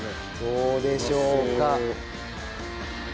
どうでしょうか？